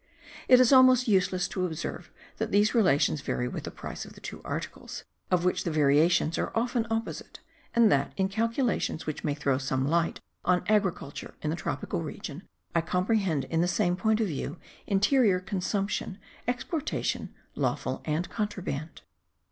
It is almost useless to observe that these relations vary with the price of the two articles, of which the variations are often opposite and that, in calculations which may throw some light on agriculture in the tropical region, I comprehend in the same point of view interior consumption, exportation lawful and contraband.